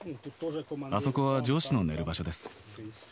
あそこは上司の寝る場所です。